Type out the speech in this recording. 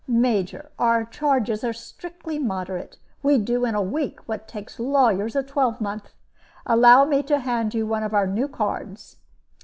"Major, our charges are strictly moderate. We do in a week what takes lawyers a twelvemonth. Allow me to hand you one of our new cards."